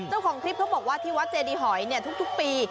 เจ้าของคลิปเขาบอกว่าที่วัดเจดีหอยทุกปี